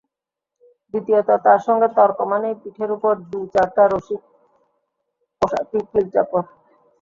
দ্বিতীয়ত, তার সঙ্গে তর্ক মানেই পিঠের ওপর দু-চারটা রসিক পোশাকি কিল-চাপড়।